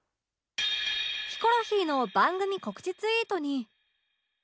ヒコロヒーの番組告知ツイートに